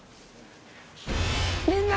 みんな。